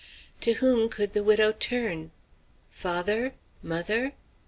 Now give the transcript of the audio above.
To whom could the widow turn? Father, mother?